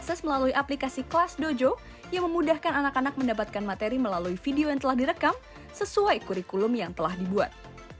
akses melalui aplikasi kelas dojo yang memudahkan anak anak mendapatkan materi melalui video yang telah direkam sesuai kurikulum yang telah dibuat